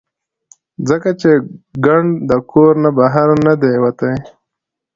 ځکه چې ګند د کور نه بهر نۀ دے وتے -